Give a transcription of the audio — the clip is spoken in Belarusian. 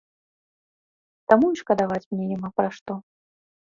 Таму і шкадаваць мне няма пра што.